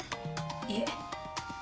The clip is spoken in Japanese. いえ。